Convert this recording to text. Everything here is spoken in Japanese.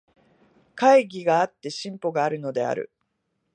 懐疑があって進歩があるのである。